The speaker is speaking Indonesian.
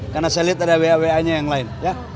karena saya lihat ada wa wa nya yang lain